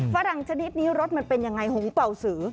ฝรั่งชนิดนี้รสมันเป็นยังไงหงเป่าสือ